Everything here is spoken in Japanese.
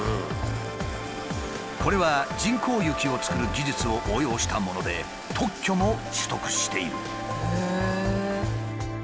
これは人工雪を作る技術を応用したもので特許も取得している。